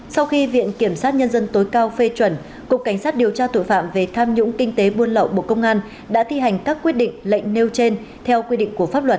sau khi viện kiểm sát nhân dân tối cao phê chuẩn cục cảnh sát điều tra tội phạm về tham nhũng kinh tế buôn lậu bộ công an đã thi hành các quyết định lệnh nêu trên theo quy định của pháp luật